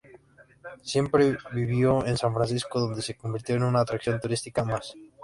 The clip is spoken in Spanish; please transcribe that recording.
Siempre vivió en San Francisco, donde se convirtió en una atracción turística más.